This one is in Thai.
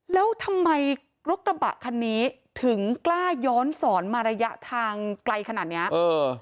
แล้วทำไมรถกระบะคันนี้ถึงกล้าย้อนสอนมาระยะทางไกลขนาดเนี้ยเออ